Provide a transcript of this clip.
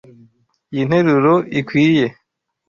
Iyi nteruro ikwiye?